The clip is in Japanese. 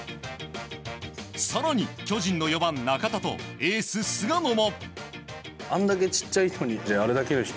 更に巨人の４番、中田とエース、菅野も。